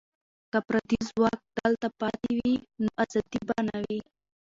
که پردي ځواک دلته پاتې وي، نو ازادي به نه وي.